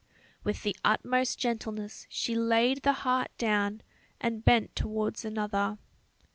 With the utmost gentleness she laid the heart down and bent towards another.